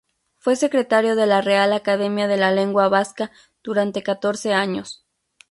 Fue secretario de la Real Academia de la Lengua Vasca durante catorce años.